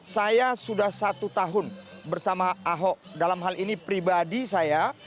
saya sudah satu tahun bersama ahok dalam hal ini pribadi saya